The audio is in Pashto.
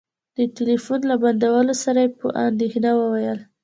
د ټلفون له بندولو سره يې په اندېښنه وويل.